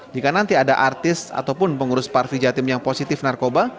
jika nanti ada artis ataupun pengurus parti jatim yang positif narkoba